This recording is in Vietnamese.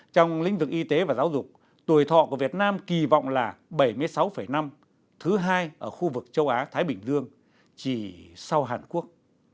trong lĩnh vực y tế và giáo dục tuổi thọ của việt nam kỳ vọng là bảy mươi sáu năm thứ hai ở khu vực châu á thái bình dương chỉ sau hàn quốc